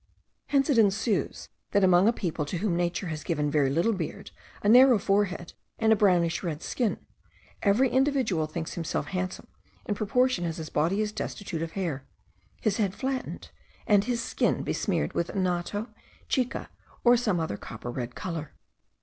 Hence it ensues that among a people to whom Nature has given very little beard, a narrow forehead, and a brownish red skin, every individual thinks himself handsome in proportion as his body is destitute of hair, his head flattened, and his skin besmeared with annatto, chica, or some other copper red colour.